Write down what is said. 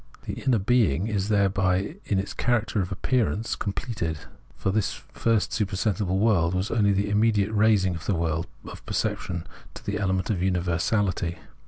The inner being is, thereby, in its character of appearance, com pleted. For the first supersensible world was only the immediate raising of the world of perception into the element of universahty.